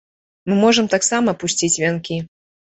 Мы можам таксама пусціць вянкі.